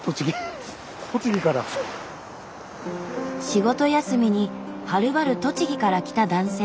仕事休みにはるばる栃木から来た男性。